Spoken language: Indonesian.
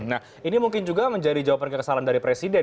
nah ini mungkin juga menjadi jawaban kekesalan dari presiden